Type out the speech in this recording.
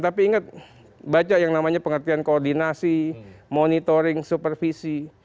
tapi ingat baca yang namanya pengertian koordinasi monitoring supervisi